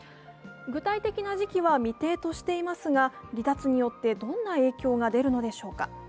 具体的な時期は未定としていますが、離脱によってどんな影響が出るのでしょうか。